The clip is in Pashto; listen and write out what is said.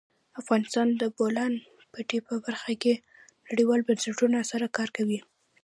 افغانستان د د بولان پټي په برخه کې نړیوالو بنسټونو سره کار کوي.